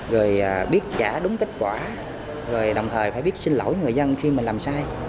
rồi biết trả đúng kết quả rồi đồng thời phải biết xin lỗi người dân khi mình làm sai